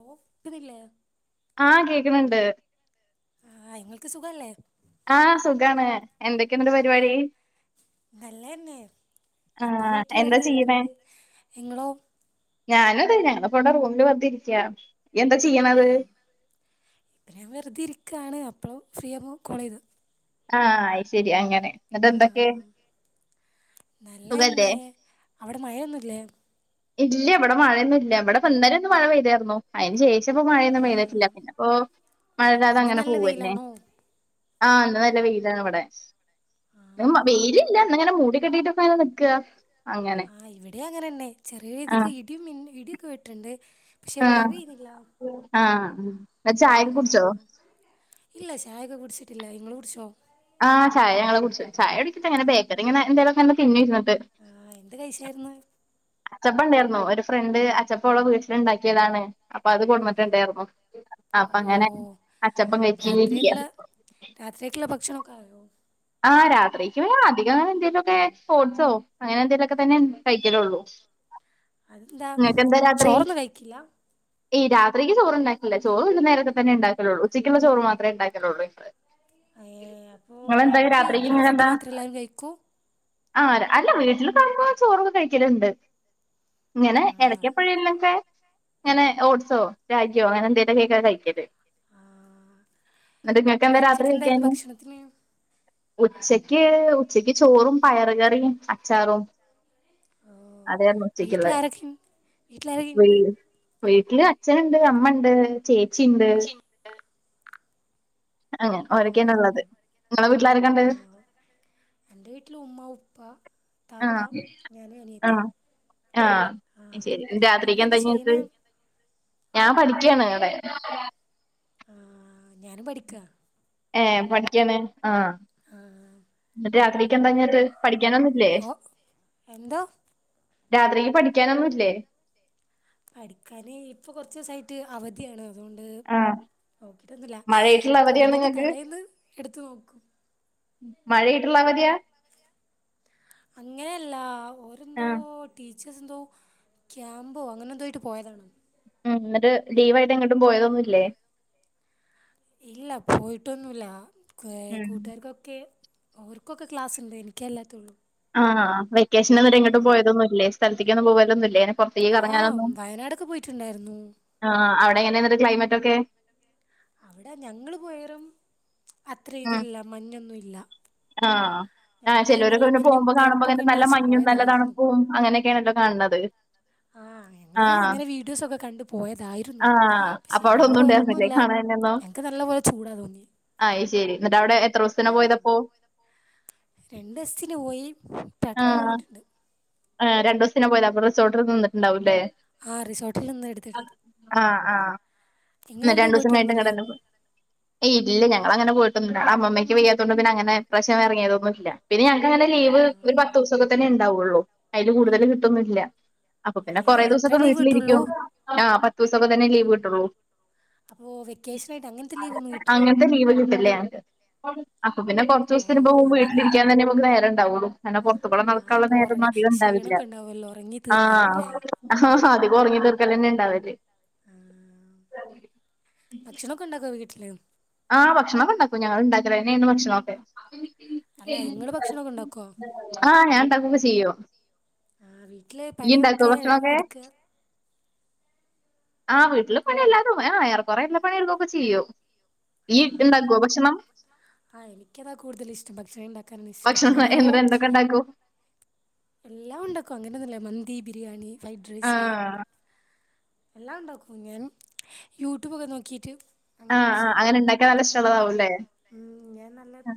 [unintelligible] ല്ലേ ആ കേക്ക്ണ് ണ്ട് നിങ്ങൾക്ക് സുഖല്ലേ ആ സുഖാണ് എന്തൊക്കെണ്ട് പരിപാടി നല്ലതന്നെ ആ ഇപ്പൊ വീട്ടില് എന്താ വെറുതെ ചെയ്യ്ണെ ഇരിക്ക്ണ്ട് ഇങ്ങളോ ഞാനും അതെന്നെ ഞാന്പ്പവടെ റൂമില് വെറുതെ ഇരിക്ക ഇപ്പ ഞാൻ വെറുതെ ഇരിക്കാണ് അ അപ്പോളോ ഫ്രിയാമ്പം കോൾ ചെയ്തോ ആ ആ അശെരി അങ്ങനെ ന്ന് ട്ടെന്തൊക്കെ സുഖല്ലേ നല്ലതന്നെ അവിടെ മഴയൊന്നുല്ലേ ഇല്ല ഇവിടെ മഴയൊന്നു ഇല്ല ഇവിടെ ഇന്നലൊന്ന് മഴ പെയ്താരുന്നു അതിന് ചേച്ച ച്ചപ്പോ മഴയൊന്നും പെയ്തിട്ടില്ല ആഹ് പിന്നെ പ്പൊ മഴയില്ലാതെ ഇന്ന് അങ്ങനെ നല്ല പോവന്നെ വെയിലാണോ ആ ഇന്ന് ന വെയിലാണ് ഇവിടെ ആഹ് വെയിലില്ല ന്നിങ്ങനെ മൂടി കെട്ടിട്ടൊക്ക ങ്ങനെ നിക്ക ആ ഇവിടെ അങ്ങനെതന്നെചെറിയ ഇതൊക്കെ ഇടി മിന്ന ഇട ക്കെ വെട്ട്ണ്ട് പക്ഷെ അ മഴ പെയ്യുന്നില്ല അ ചായക്കെ കുടിച്ചോ ആഹ് ഇല്ല ചായൊക്കെ കുടിച്ചിട്ടില്ല ഇങ്ങള് കുടിച്ചോ ആ ചായ ങ്ങള് കുടിച്ചു ചായുടിച്ചട്ട്ങ്ങെന ബേക്കറി അങ്ങന ന്തെലൊക്കെങ്ങനാ തിന്നേര്ന്നു ആ എന്ത് കൈച്ചായിരുന്നു അച്ചപ്പുണ്ടായിരുന്നു ഒരു ഫ്രണ്ട് അച്ചപ്പോളെ വീട്ടില്ണ്ടാക്കിയതാണ് അപ്പൊ അത് കൊട്ന്ന്ട്ട്ണ്ടേരുന്നു അപ്പ ഓ അങ്ങനെ അച്ചപ്പം കഴിചിങ്ങനിരിക്ക ക്കായോ ആ രാത്രിക്ക് അധികം എന്തേലൊക്കെ ഫ്രൂട്ട്സോ അങ്ങനെ എന്തേലൊക്കെ തന്നെ കയിക്കലുള്ളൂ ന്താ ചോറൊന്നും കഴിക്കില്ല ഏയ്‌ രാത്രിക്ക് ചോറുണ്ടാക്കൂല ചോറ് വൈകുന്നേരൊക്കതന്നെ ഉണ്ടാക്കലുള്ളൂ ഉച്ചക്കുള്ള ചോറ് മാത്രമേ ഉണ്ടാക്കലുള്ളൂ ഇപ്പള് ഏ അപ്പൊ ഓ രാത്രി ഇങ്ങനുള്ള ഫുഡ് മാത്ര എല്ലാരും കഴിക്ക ആര് അല്ല വീട്ടില് ചോറൊക്കെ കഴിക്കലുണ്ട് ഇങ്ങനെ ആ എടക്കെപ്പഴേലൊക്കെ ഇങ്ങനെ ഓട്സോ രാഗിയോ അങ്ങനെ എന്തെലുംക്കെക്കാരം കഴിക്കല് ആ ഇന്ന്ട്ടിങ്ങക്ക് എന്താ രാത്രി ഉച്ചയ്ക്ക് കയിക്കാൻ എന്തായിരുന്നു ഭക്ഷണത്തിന് ഉച്ചക്ക് ഉച്ചക്ക് ചോറും പയറ് കറിയും അച്ചാറും ഓ അതേര്ന്നു ഉച്ചക്കിള്ളേ വീട്ടിലാരൊക്കെ വീട്ടിലാരൊക്കെ ഉണ്ട് വീട്ടില് അച്ഛന്ണ്ട് അമ്മണ്ട് ചേ ച്ചിണ്ട് അങ്ങനെ ആ ഓരക്കേണ് ഇള്ളത് അങ്ങനെ ഇങ്ങളെ വീട്ടിലാരൊക്കെണ്ട് ആ എൻ്റെ വീട്ടിൽ ഉമ്മ ഉപ്പ ആ താത്ത ഞാൻ ആ അനിയത്തി ആ ആ അയിശെരി രാത്രിക്ക് നിങ്ങളെന്ത് എന്താ ഇങ്ങക്ക് ചെയ്യണേ ഓ ഞാൻ പഠിക്കാണ് [inaudible] ആ ഞാനും പഠിക്ക ഏ പഠിക്കാണ് ആ ആ എന്നട്ട് രാത്രി പ പറഞ്ഞട്ട് പഠിക്ക [unintelligible] ഓ എന്തോ രാത്രിക്ക് പഠിക്കാനൊന്നുല്ലേ പഠിക്കാന് ഇപ്പൊ കൊറചൂസായിട്ട് അവധിയാണ് അതുകൊണ്ട് ആഹ് നോക്കീട്ടോന്നുല്ല മഴയായിട്ടുള്ള അവധിയാ പോകുന്നതിന്റെ നിങ്ങക്ക് തലേന്ന് എടുത്ത് നോക്കും മഴായിട്ടുള്ള അവധിയാ അങ്ങനെയല്ല ഓരെന്തോ ആഹ് ടീ ടീചേർസ് എന്തോ ക്യാമ്പോ അങ്ങനെ എന്തോയിട്ട് പോയതാണ് ഉം എന്നിട്ട് ലീവായിട്ട് എങ്ങോട്ടും പോയതൊന്നുല്ലേ ഇല്ല പോയിട്ടൊന്നുല്ല ക്വഹ് ഉം കൂട്ടുകാർക്കൊക്കെ ഓർക്കൊക്കെ ക്ലാസ് ഉണ്ട് എനിക്കല്ലാത്തുള്ളൂ ആ വെ ക്കെശനന്നിട്ട് എങ്ങട്ട് പോയതൊന്നുല്ലേ സ്ഥ പൊറത്തിക്കൊന്നും പോവലോന്നൂല്ല്യേ ആഹ വയനാടൊക്കെ പോയിട്ടുണ്ടായിരുന്നു എങ്ങനെന്നിട്ട് ക്ലൈമറ്റ് ഒക്കെ അവിട ഞങ്ങള് പോയറം അത്ര ഉം ഇതില്ല മഞ്ഞൊന്നു ഇല്ല ആഹ് ആ ചിലരൊക്കെ പിന്നെ മഞ്ഞും പോകുമ്പോ കാണുമ്പോ തണുപ്പൊക്കെ അങ്ങനെ ഉണ്ട് നല്ല വിചാരിച്ച് മഞ്ഞും നല്ല പോയതായിരുന്നു തണുപ്പും അങ്ങനെയൊക്കെയാണല്ലോ കാണുന്ന ത് ആഹ് ഞങ്ങളിത് ആഹ അങ്ങനെ വീഡിയോസൊക്കെ കണ്ട് പോയതായിരുന്നു ആഹ ആഹ് പക്ഷേ അപ്പൊ അവിടെ ഞങ്ങൾ ഒന്നും ഉണ്ടായിരുന്നില്ലേ പോയാലൊന്നുമില്ല കാണനൊന്നും ഞങ്ങൾക്ക് നല്ലപോലെ ചൂടാണ് തോന്നിയത് അയി ശരി എന്നിട്ട് അവിടെ എത്ര ദിവസത്തെന പോയതപ്പോ രണ്ടെസത്തിന് പോയി പെട്ടന്ന് പോന്നിട്ടുണ്ട് ആ രണ്ടസ്വത്തിന പോത് അപ്പോ റിസോർട്ടിൽ നിന്നിട്ടുണ്ടാവുംല്ലേ ആ റിസോർട്ടില്ന്ന് എടുത്തത് എന്ന രണ്ടു ദിവസം കഴിഞ്ഞിട്ട് എങ്ങനണ്ടാരുന്നു ഏയ് ഇല്ല ഞങ്ങളങ്ങനെ പോയിട്ടൊന്ന- അ അമ്മമ്മക്ക് വയ്യത്തൊണ്ട് പിന്നെ അങ്ങനെ പ്രശവറങ്ങിയതൊന്നുയില്ല പിന്നെ ഞങ്ങക്ക് അങ്ങനെ ലീവ് ഒരു പത്ത് ദിവസൊക്കെ തന്നെ ഉണ്ടാവുള്ളൂ അയില് കൂടുതൽ കിട്ടൊന്നുല്ല അപ്പൊ പിന്നെ കുറേ അത്രേ ദിവസൊക്കെ ലീവ് കിട്ടുള്ളൂ വീട്ടിലിരിക്കും ആ പത്ത് ദിവസൊക്കെ തന്നെ ലീവ് കിട്ടുള്ളൂ അപ്പൊ വെക്കേഷനായിട്ട് അങ്ങനത്തെ ലീവ് ഒന്നു കിട്ടില്ലാ? അങ്ങനത്തെ ലീവ് കിട്ടില്ല ഞങ്ങക്ക്. അപ്പൊ പിന്നെ പു ത്തുസത്തിന് പോകുമ്പോ അങ്ങനെ വീട്ടിലിരിക്കാ തന്നെ നമ്മക്ക് നേരം ഉ ണ്ടാവുളു. അങ്ങനെ പൊറത്തുകുടെ ആ നടക്കുള്ള അപ്പോൾ നേരൊന്നും ഉറങ്ങി അധികം ഉണ്ടാവില്ല ക്ഷീണമൊക്കെ ഉണ്ടാവുമല്ലോ ഉറങ്ങി തീർക്കായിരിക്കുമല്ലേ ആഹ് അധികം ഉറങ്ങി തീർക്കലന്നെ ഇണ്ടാവല്. ആ, ല് ആ ഭക്ഷണൊക്കെ ഇണ്ടാക്കും ഞങ്ങള് ഇണ്ടാക്കല് തന്നെയാണ് ഭക്ഷണൊക്കെ. അല്ല ഇങ്ങള് ഭക്ഷണൊക്കെ ഉണ്ടാക്കോ ആഹ് ഞാൻ ഇണ്ടാക്കൊക്കെ ചെയ്യും. ആ വീട്ടില് ഇയ്യ് ഇണ്ടാക്കോ പണിയൊക്കെ ഭക്ഷണൊക്കെ? എടുക്ക ആ വീട്ടില് പണിയെല്ലാരും ആ എറെക്കുറെ എല്ലാ പണി എടുക്കോക്കെ ചെയ്യും. ആ ഇയ്യ് ഇണ്ടാക്കോ ഭക്ഷണം ആ എനിക്കതാ കൂടുതല് ഇഷ്ടം ഭക്ഷണം ഉണ്ടാക്കാനാ ഇഷ്ടം ഭക്ഷണം ഞാനോരോ എന്നിട്ട് എന്തൊക്കെ ഇണ്ടാക്കും എല്ലാം ഉണ്ടാക്കും അങ്ങനൊന്നില്ല മന്തി, ബിരിയാണി ഫ്രൈഡ് റൈസ് ആഹ് എല്ലാം ഉണ്ടാക്കും ഞാൻ യൂട്യൂബൊക്കെ നോക്കിട്ട്. ആഹ ആഹ് അങ്ങനെ ഇണ്ടാക്കാ നല്ല ഇഷ്ട്ടള്ളതാവും ല്ലേ ഞാൻ നല്ല ആ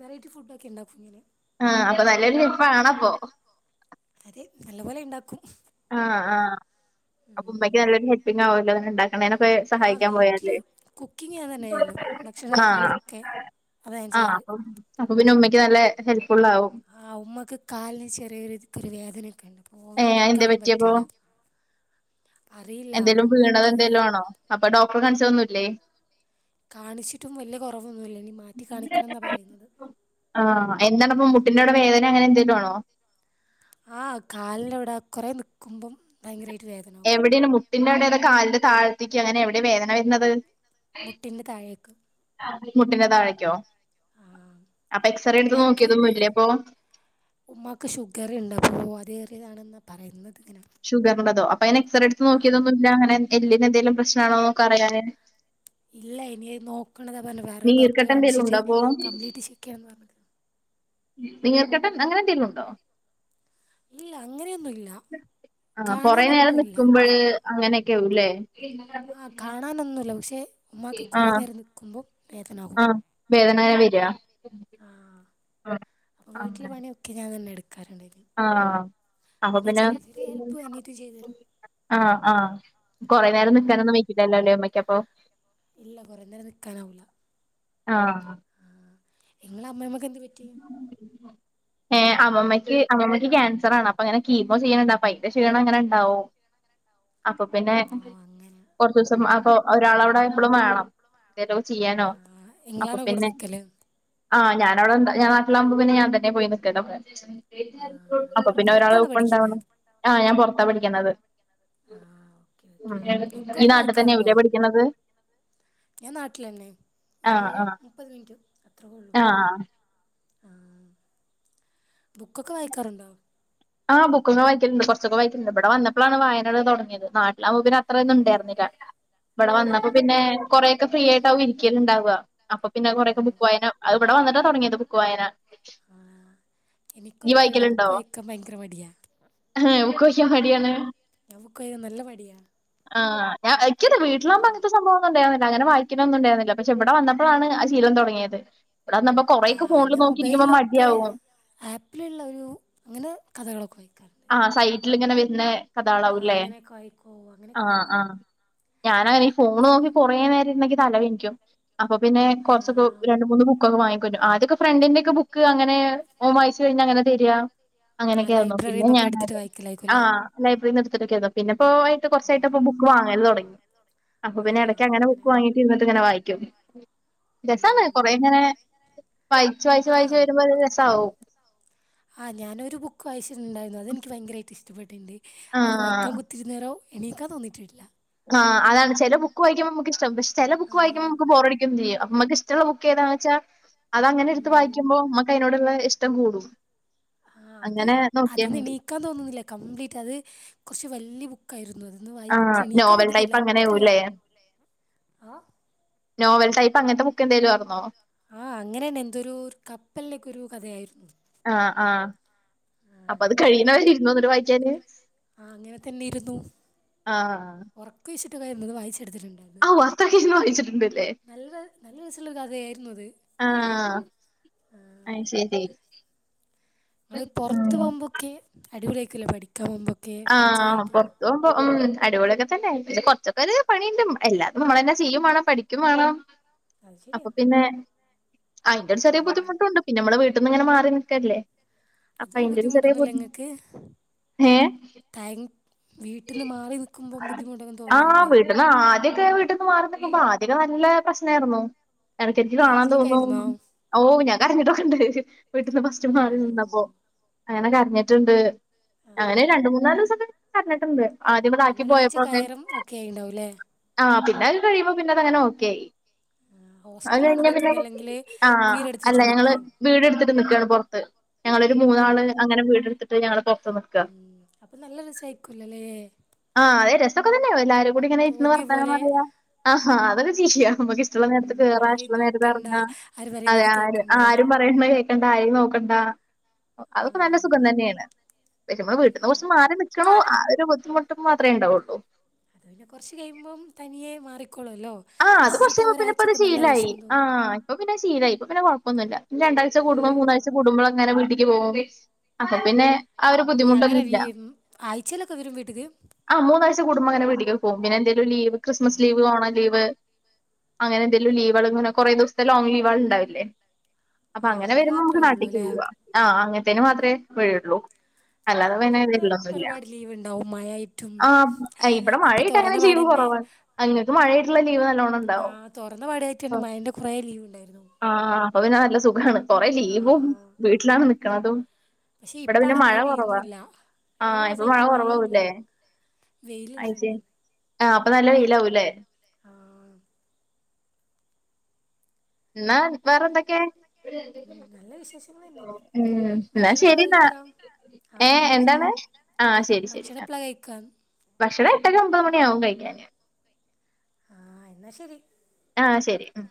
വെറൈറ്റി ഫുഡൊക്കെ ഇണ്ടാക്കും ഇങ്ങനെ. ആഹ അപ്പൊ നല്ലൊരു ഷെഫാണപ്പോ. അതെ നല്ല പോലെ ഇണ്ടാക്കും. ആഹ് ആഹ് അപ്പൊ ഉമ്മക്ക് നല്ലൊരു ഹെൽപ്പിങ് ആവല്ലോ ങ്ങനെണ്ടാ ഉമ്മനൊക്കെ ആ സഹായിക്കാൻ വീട്ടിൽ പോയാല് കുക്കിംഗ് ഞാൻ തന്നെയല്ലോ ഭക്ഷണ ആഹ് കാര്യങ്ങളൊക്കെ അതാ ഞാൻ ആ ചെയ്യാറ് അപ്പൊ പിന്നെ ഉമ്മക്ക് നല്ല ഹെൽ ആ ഉമ്മക്ക് കാലിന് ചെറിയ ഒരു വേദനയൊക്കെണ്ട്. ഓവർ ഏഹ് നിക്കാനൊന്നും പറ്റില്ല. അറിയില്ല എന്തെലും വീണത് എന്തേലും ഉമ്മാക്ക് ആണോ അപ്പൊ ഡോക് ഇപ്പൊ കാണിച്ചലൊന്നുല്ലേ? കാണിച്ചിട്ടും വലിയ കൊറവൊന്നുല്ല ഇനീ മാറ്റി കാണിക്കണംന്നാ പറയുന്നേ. ആഹ് എന്താണ് അപ്പൊ മുട്ടിന്റവിടെ വേദന അങ്ങനെ എന്തെലും ആണോ? ആഹ് കാലിന്റവിട കൊറെ നിക്കുമ്പോ ഭയങ്കരായി എവിടെണ് മു ട്ടിന്റെ അവിടെ അതോ കാലിന്റെ താഴത്തേക്ക് അങ്ങനെ എവിടെ വേദന വരുന്നത്? മുട്ടിന്റെ തായേക്ക്. മുട്ടിന്റെ താഴേക്കോ? ആ അപ്പൊ എക്സ്റേ എടുത്ത് ഉമ്മാക്ക് നോക്കിയതൊന്നും ഇല്ലേ അപ്പൊ ഉമ്മാക്ക് ഷുഗർ ഉണ്ടപ്പോ അത് ഏറിയാതാണെ ന്നാ പറയുന്നേ. ഷുഗറന്റതോ അപ്പ അയിന് എക്സറേ എടുത്ത് നോക്കിയതോന്നുംല്ല അങ്ങനെ എല്ലി നെന്തേലും പ്രശ്നാണോക്ക അറിയാന് ഇല്ല ഇനിയ നോക്കണംന്നാ പറഞ്ഞേ വേറൊരു ഡോക്ടറെ നീർക്കെട്ട് എന്തെങ്കിലും കാണിച്ചിട്ട് ഉണ്ടോ കംപ്ലീറ്റ് ചെക്കെയ്യണം ന്നാ പറഞ്ഞത് നീർക്കെട്ട് അങ്ങനെ ന്തെങ്കിലും ഉണ്ടോ ഇല്ല അങ്ങനെയൊന്നും ഇ ആ കൊറേ നേരം നിക്കുമ്പോള് ബട്ട് അങ്ങനെ ക്കെ ആവുംലെ ആ കാണാനൊന്നുല്ല പക്ഷേ ഉമ്മാക്ക് ആ കുറെേ നേരം നിക്കുമ്പോം ആ വേദന ങ്ങനെ വരാ ആഹ് അപ്പൊ വീട്ടിലെ പണിയൊക്കെ ഞാൻ തന്നെ എടുക്ക ആ അപ്പൊ പിന്നെ ചെറിയ ചെറിയ ഹെൽപ്പ് അനിയത്തി ചെയ്തു തരും ആ ആ കൊറെ നേരം ആഹ് നിക്കാനൊന്നും വെയ്ക്കില്ലല്ലോല്ലേ ഉമ്മയ്ക്കപ്പൊ ഇല്ല കോറേ നേരം നിക്കാനാവൂല ആ ഇങ്ങളമ്മേ മ്മ് ഏ അമ്മമ്മയ്ക്ക് അമ്മമ്മയ്ക്ക് ക്യാൻസറാണ് അപ്പൊ ഇങ്ങനെ കീമോ ചെയ്യാണ്ണ്ട് അപ്പയിൻ്റെ ക്ഷീണം ങ്ങനെണ്ടാവും അപ്പൊ പിന്നെ ആഹ് അങ്ങനെ കൊറച്ചൂസം അപ്പൊ പിന്നെ ആഹ് കൊർചൂസം ഒരാളവിടെ എപ്പളും വേണം എന്തേലൊക്കെ ചെയ്യാനോ ആഹ് അപ്പൊ നിങ്ങളാണോ കൂടെ പിന്നെ നിൽക്കല് ആ ഞാൻ ഞാൻ വടെണ്ടാ ഞാൻ നാട്ടിലാവുമ്പം പിന്നെ ഞാൻ തന്നെ പോയി നിക്കലൊക്കെ ആഹ് അപ്പ നിങ്ങൾ പിന്നെ ഒരാൾ പുറത്താണോ ഒപ്പണ്ടാവണം ആ ഞാൻ പൊർ റത്താ പഠിക്കിണത് ആ ഓകെ ഓകെ ഈ ബുക്കൊക്കെ നാട്ടിൽ തന്നെ വായിക്കാറുണ്ടോ എവിടെയാ പഠിക്കുന്നത് ഞാൻ നാട്ടിലെന്നെ ആ ഒരു ആ മുപ്പത് മിനിറ്റ് അത്രൊകൊള്ളു ആ ആ ബുക്കൊക്കെ വായിക്കാറുണ്ടോ ആ ബുക്കൊക്കെ വായിക്കല്ണ്ട് കൊർച്ചൊക്കെ വായിക്കല്ണ്ട് ഇവിടെ വന്നപ്പളാണ് വായനൊകെ തൊട്ങ്ങിയത് നാട്ടിലാവുമ്പൊ അത്രെയൊന്നും ഇണ്ടായിരുന്നില്ല ഇവിടെ വന്നപ്പോ ആഹ് പിന്നെ കൊറേയൊക്കെ ഫ്രീ ആയിട്ട് ആവും ഇരിക്കല്ണ്ടാവ അപ്പ പിന്നെ കൊറെയക്കെ ഓഹ് ബുക്ക് വായന ഇവിടെ വന്നിട്ടാ തൊടങ്ങിയത് ബുക്ക് വായന ആ നീ എനിക്കൊന്നു അറീല ബുക്ക് വായിക്കാൻ ഭയ ങ്കര മടിയാ ഏ ബുക്ക് വയിക്കാൻ മടിയാണ് ഞാൻ ബുക്ക് വായികാൻ നല്ല മടിയാ ആ ഞാൻ വാ ഇക്യു ആതെ വീട്ട്ലാവുപൊ അങ്ങൻത്തെ സംഭവൊന്നു ണ്ടായിരി അങ്ങനെ വായിക്കണം ന്നുംണ്ടായിരുന്നില്ല പക്ഷെ ഇവിടെ വന്നപ്പോഴാണ് ആ ശീലം തൊടങ്ങിയത് ആ അഎന്നെ മൊബൈൽള്ളൊക്കെ മടിയാവും. ആപ്പിലുള്ളൊരു അങ്ങനെ കഥകളക്കെ വായിക്കും ആ സൈറ്റിലിങ്ങനെ വെര്ണേ കഥാളാവും ആഹ് ല്ലേ അങ്ങനെയൊക്കെ വായിക്കോ ആ അങ്ങനെയൊക്കെ ആ വായിക്കും ഞാനങ്ങനെ ഈ ഫോണ് നോക്കി കൊറേ നേരം ഇര്ന്നാ ഇക്കി തലവേദനികും അപ്പൊ പിന്നെ കൊർച്ചൊക്കെ ആഹ് രണ്ട് മൂന്ന് ബുക്കൊക്കെ വാങ്ങിക്കൊൺട്രും ആദ്യൊക്കെ ഫ്രണ്ടിന്റെ ഒക്കെ ബുക്ക് അങ്ങനെ ഓൻ വായിച്ച് കഴിഞ്ഞാ അങ്ങനെ തെര്ആ ആഹ് അങ്ങനൊക്കെയായിരുന്നു പിന്നെ ലൈബ്രറിന്നൊക്കെ എടുത്തിട്ട് ഞാനെട്കും ആ വായിക്കലായിരിക്കുംല്ലേ ലൈബ്രറീന്ന് എടു [unintelligible] പിന്നെപ്പോ ഓഹ് കൊർച്ചായിട്ട് ബുക്ക് വാങ്ങൽ തൊടങ്ങി അപ്പൊ പിന്നെ ഏടയ്ക്ക് അങ്ങനെ ബുക്ക് വാങ്ങീട്ട് ഇര്ന്ന്ട്ട്ങ്ങനെ വായിക്കും രസാണ് ഉം കൊറേങ്ങനെ വായിച്ച് വായിച്ച് വായിച്ച് ആഹ് വരുമ്പോ ഒര് രസാവും അതെൻക്ക് ഭയങ്കരായിട്ട് ഇഷ്ട പെട്ടിട്ട്ണ്ട് അത് ആഹ് വായിക്കാൻ കുത്തിരുന്നേരം എണീക്കാ തോന്നീട്ട്ട്ടില്ല ആ അതാണ് ചെല ബുക്ക് വായിക്കുമ്പമ്മക്കിഷ്ടാവും പക്ഷെ ചെല ബുക്ക് വായിക്കുപോ ആഹ് അമ്മക്ക് ബോറടിക്കും ചെയ്യും മ്മക്ക് ഇഷ്ടള്ള ബുക്കേതാണ് വെച്ചാ അത് അങ്ങനെട്ത്ത് ഉം വായിക്കുമ്പോ മ്മക്കയിനോട്ള്ളെ ഇഷ് ഷ്ടം കൂടും ആഹ് അത് അങ്ങനെ നോക്കിയാ മതി അതീന്നെണീക്കാൻ തോനൂല കംപ്ലീറ്റ് അത് കൊറച്ച് വല്ല്യേ ബുക്ക്‌ ക്കായിരുന്നു അതൊന്ന് വായിച്ച് ആഹ് എണീക്കാൻ നോവൽ പറ്റുന്നില്ല ടൈപ്പ് അത്രേ അങ്ങനെയാവുല്ലേ ആ നോവൽ ടൈപ് ആ അങ്ങനെണ് എന്തൊരു കപ്പലിലേക്കൊ ഒരു കഥയായിരുന്നു ആ ആ ആഹ് അപ്പൊ അത് അങ്ങനെ എന്തൊരു കഥ കഴിയുന്നവര് ആഹ് ഇര്ന്നോ ന്ന്ട്ട് വായിക്കാന് അങ്ങനെ തന്നെ ഇരുന്നു ആഹ് [unintelligible] അത് വായിച്ചു ഇട്ത്ത്ട്ട്ണ്ടായിര്ന്നു ഔ അത്രക്കിരുന്ന് വായിച്ചിട്ടുണ്ടല്ലേ നല്ല നല്ല രസള്ളൊരു കഥയായിര്ന്നു അത് ആഹ് ആ അയ്ശരി ങ്ങള് പൊറത്ത് ഉം പോകുമ്പൊക്കെ അടിപൊളിആയിരിക്കുല്ലേ പഠിത്തം ആഹ് പൊറത്ത് പോകുമ്പോ മ് അടിപൊളിയക്കെ ല്ല പിന്നെ കൊർച്ചോക്കൊര് പണിണ്ട് എല്ലാതും മ്മളെന്നെ ചെയ്യും വാണം പഠിക്കും വാണം അത് അപ്പ ശരിയാ പിന്നെ ഐന്റെ ചെറിയൊരു ആഹ് ബുദ്ധിമുട്ട്ണ്ട് പിന്നമ്മളെ പെട്ടന്ന്ങ്ങനെ മാറി നിൽക്കല്ലേ അപ്പ അതൊരു ഐന്റെ ഒരു ചെറിയ ബുദ്ധിമുട്ടൊന്നുമില്ല ബുദ്ധിമുട്ട് നിങ്ങൾക്ക് ഏ താങ് വീട്ടിന്ന് മാറി നിക്കുഭം ബുദ്ധിമുട്ടൊന്നും തോന്നാറില്ലേ ക്കെ വീട്ടിൽന്ന് മാറിനിക്കുമ്പ ആദ്യോക്കെ നല്ല പ്രശ്നായിര്ന്നു. എടക്കെടക്ക് കാണാൻ കരച്ചിലൊക്കെ തോന്നും ആയിരുന്നോ ഓ ഞാൻ കരഞ്ഞിട്ടൊക്കെ ഇണ്ട് വീട്ടിന്ന് ഫസ്റ്റ് ഓ മാറി നിന്നപ്പോ അങ്ങനെ കരഞ്ഞട്ടിണ്ട്. ആ അങ്ങനെ രണ്ട് മൂന്നാല് ദിവസോക്കെ കരഞ്ഞട്ടെണ്ട് പിന്നെ ഒരാഴ്ച്ച കയറം ഒക്കെ ആയിണ്ടാവൂലേ [unintelligible] കഴിയുമ്പ പിന്നെ അതങ്ങനെ ഓക്കേയി. ഹോസ്റ്റലാണ് നിൽക്കുന്നത് അല്ലെങ്കിൽ [unintelligible] ആ അല്ല വീടെടുത്തിട്ട് ഞങ്ങള് നിൽക്കേ വീട് എടുത്തിട്ട് നിക്കേണ് പൊറത്ത് ഞങ്ങളൊരു മൂന്നാള് അങ്ങനെ വീടെടുത്തി ട്ട് ഞങ്ങളിപ്പൊ ഇം അപ്പ നല്ല രസായിക്കൊ ല്ലലേ ആ അതെ രസൊക്കെ തന്നെയ എല്ലാരും കുടിങ്ങിനെ ഇരിന്ന് വർത്താനം പോലെ പറയാ ആഹ് ആഹ്തെന്റെ ചേച്ചിയ നമുക്ക് ഇഷ്ടുള്ള നേരത്ത് ഉം കേറാം ആരെയും ഇഷ്ടുള്ള നേരത് നോക്കണ്ട എർങ്ങ ആര് അതെ പറയുന്നത് കേൾക്കണ്ട ആരും പറയുന്ന കേ ക്കണ്ട ആരേം നോക്കണ്ട ആ അതൊക്കെ നല്ല സുഖം തന്യാണ് പഷെ നമ്മള് വീട്ട്ന്ന് ഉം കൊർച്ച് മാറി നിക്കണോ ഒരു ബുദ്ധിമുട്ടും മാത്രേ ഉണ്ടാവുള്ളു കൊർച്ച് കഴിയുമ്പം തനിയെ മാറി ആഹ് അത് കൊർച്ചയ്‌ഞപ്പോ പിന്നെപ്പത് നല്ല ശീലായി വിഷമം ആ തോന്നും പ്പൊ പിന്നെ ശ് ശീലായി ഇപ്പ പിന്നെ കൊഴപ്പൊന്നുല്ല ഞ് രണ്ടാഴ്ച്ച കുടുമ്പം മൂന്നാഴ്ച്ച ആ കുടുമ്പളങ്ങനെ വിടി [unintelligible] അപ്പ പിന്നെ ആ ഒരു എ അങ്ങനെ ലീ ബുദ്ധിമുട്ടൊന്നുല്ല. ആഴ്ചയിലൊക്കെ വരും വീട്ട്ക്ക് കുടുംബങ്ങനെ വീട്ടികൊക്കെ പോകും പിന്നെ എന്തേലൊരു ലീ ക്രിസ്മസ് ലീവ് ഓണം വ് അങ്ങനെ എന്തെലും ലീവള്ങ്ങനെ കൊറേ ദിവസത്തെ ലോങ് ലീവള്ണ്ടാവില്ലേ അപ്പൊ ആ അങ്ങനെ വരുമ്പോ മാത്രമേ നമുക്ക് വരുള്ളൂ നാട്ടിക്ക് അല്ലേ പോവാ ആഹ് അങ്ങനെ [unintelligible] മാത്രെ വരുവുള്ളൂ അല്ലാതെ പിന്നെ ഞങ്ങൾക്കൊക്കെ വർളൊന്നുല്ല ഒരുപാട് ലീവ് ഉണ്ടാവും മഴയായിട്ടും ആഹ് ഇവിടെ ഇപ്പോൾ മഴയായിട്ട് അങ്ങനെ ലീവ് കുറവാണ് ഇങ്ങക്ക് മഴ ആഹ് തൊറന്ന പാടെ ആയിറ്റെന്നെ മയെന്റെ കൊറേ ലീവ് ഉണ്ടായിരുന്നു അപ്പപിന്ന നല്ല സുഖാണ് കൊറെ ലീവും വീട്ടിലാണ് നിക്കണതും പക്ഷെ ഇവിടെ പിന്നെ ഇപ്പാണ് മഴ കുറവാ പെയ്യുന്നുല്ല രണ്ടു ആഹ് മൂന്ന് ഇപ്പൊ മഴ ദിവസമായിട്ട് മഴയെ ഇല്ല കുറവാവൂല്ലേ വെയിലെ ലാ ആ അപ്പൊ നല്ല വെയിൽ ആവുല്ലേ ആ എന്നാ വേറെ എന്തൊക്കെ ഉം, നല്ല വിശേഷങ്ങൾ തന്നെ മ് എന്നാ ഭക്ഷണം ശരി എപ്പോഴാ എന്നാ കഴിക്കുക ഏ ആ എന്നാൽ ശരി എന്താണ് ആ ശരി ശരി ഭക്ഷണം ആഹ് എപ്പോഴാ കഴിക്കുക ഭക്ഷണം എട്ടര ഒമ്പ മ്പതു മണി ആകും കഴിക്കാന് ആ എന്നാ ശരി ആ ശരി ഉമ്